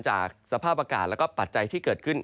จากสภาพอากาศแล้วก็ปัจจัยที่เกิดขึ้น